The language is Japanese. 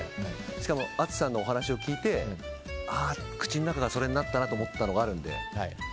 しかも淳さんのお話を聞いて口の中がそれになったらと思ったのがあるので。